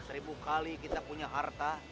seribu kali kita punya harta